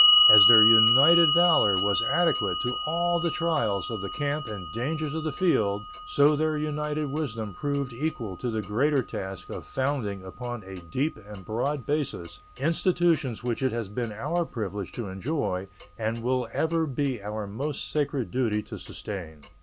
As their united valor was adequate to all the trials of the camp and dangers of the field, so their united wisdom proved equal to the greater task of founding upon a deep and broad basis institutions which it has been our privilege to enjoy and will ever be our most sacred duty to sustain.